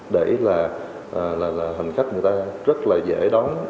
để là hành khách người ta rất là dễ đón